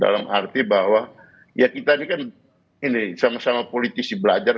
dalam arti bahwa ya kita ini kan ini sama sama politisi belajar